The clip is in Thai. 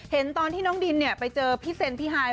ตอนที่น้องดินไปเจอพี่เซนพี่ฮาย